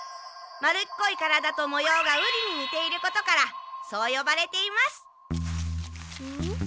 丸っこい体ともようがウリににていることからそうよばれています。